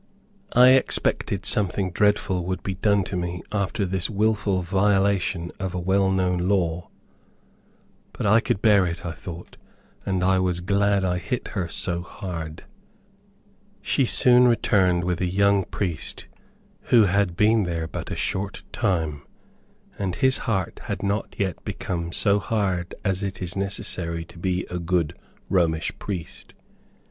I expected something dreadful would be done to me after this wilful violation of a well known law. But I could bear it, I thought, and I was glad I hit her so hard. She soon returned with a young priest, who had been there but a short time, and his heart had not yet become so hard as is necessary to be a good Romish priest.